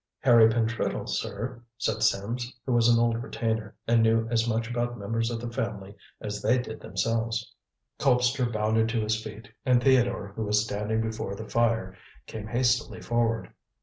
"Harry Pentreddle, sir," said Sims, who was an old retainer, and knew as much about members of the family as they did themselves. Colpster bounded to his feet, and Theodore, who was standing before the fire, came hastily forward.